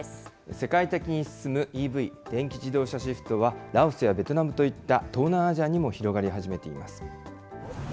世界的に進むＥＶ・電気自動車シフトは、ラオスやベトナムといった東南アジアにも広がり始めています。